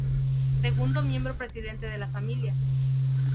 Segundo miembro presidente de la familia.